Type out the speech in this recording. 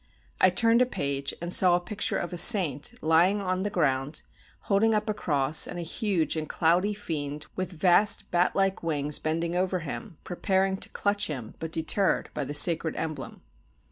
I turned a page, and saw a picture of a Saint, lying on the ground, holding up a cross, and a huge and cloudy fiend with vast bat like wings bending over him, preparing to clutch him, but deterred by the sacred emblem.